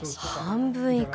半分以下？